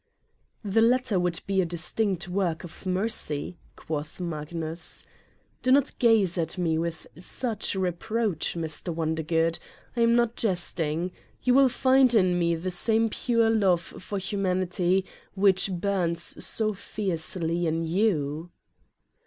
"The latter would be a distinct work of mercy," quoth Magnus. "Do not gaze at me with such re 23 Satan's Diary_ proach, Mr. Wondergood : I am not jesting. You will find in me the same pure love for humanity which burns so fiercely in you."